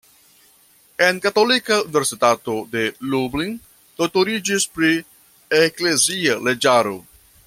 En Katolika Universitato de Lublin doktoriĝis pri eklezia leĝaro.